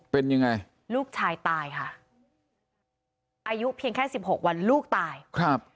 เป็นยังไงลูกชายตายค่ะอายุเพียงแค่สิบหกวันลูกตายครับ